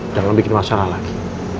jangan bikin masalah lagi